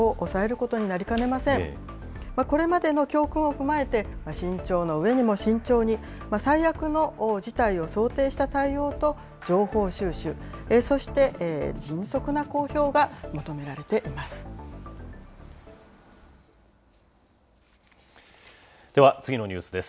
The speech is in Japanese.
これまでの教訓を踏まえて、慎重のうえにも慎重に、最悪の事態を想定した対応と、情報収集、そして迅速な公表が求められています。